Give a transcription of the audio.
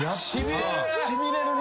しびれるな！